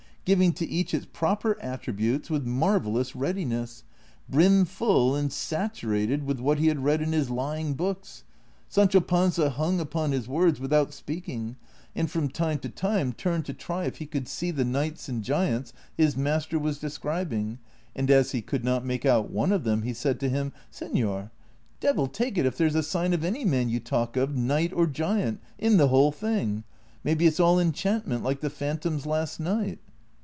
giving to each its proper attributes with marvellous readiness ; brimful and saturated with Avhat he had read in his lying books ! Sancho Panza hung upon his words without speak ing, and from time to time turned to try if he could see the knights and giants his master was describing, and as he could not make out one of them he said to him, '' Senor, devil take it if there 's a sign of any man you talk of, knight or giant, in the whole thing ; maybe it 's all enchantment, like the phantoms last night."